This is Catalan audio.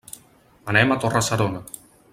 Anem a Torre-serona.